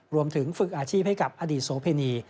รวมถึงฝึกอาชีพให้กับอดีตโสเพณี